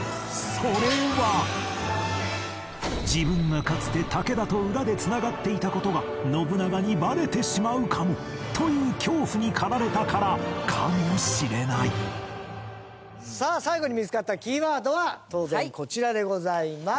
自分がかつて武田と裏で繋がっていた事が信長にバレてしまうかもという恐怖に駆られたからかもしれないさあ最後に見つかったキーワードは当然こちらでございます。